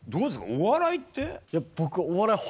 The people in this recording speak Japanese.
お笑いって？